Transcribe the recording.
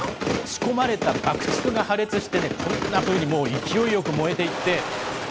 仕込まれた爆竹が破裂してね、こんなふうに、もう勢いよく燃えていって。